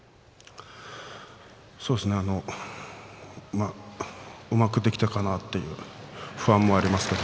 そうですねまあ、うまくできたかなと不安もありますけれど。